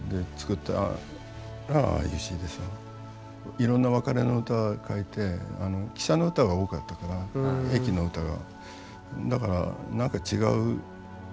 いろんな別れの歌書いて汽車の歌が多かったから駅の歌が。